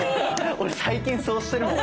俺最近そうしてるもん。